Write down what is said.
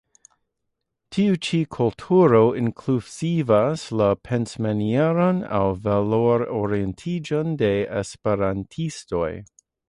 Tiu ĉi kulturo inkluzivas la pensmanieron aŭ valor-orientiĝon de esperantistoj.